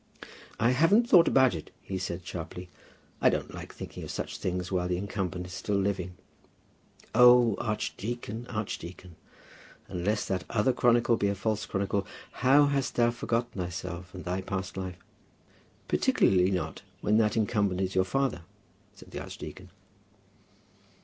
"I haven't thought about it," he said sharply. "I don't like thinking of such things while the incumbent is still living." Oh, archdeacon, archdeacon! unless that other chronicle be a false chronicle, how hast thou forgotten thyself and thy past life! "Particularly not, when that incumbent is your father," said the archdeacon.